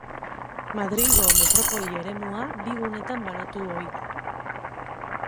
Madrilgo metropoli eremua bi gunetan banatu ohi da.